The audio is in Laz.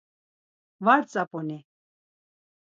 Var tzap̌un-i?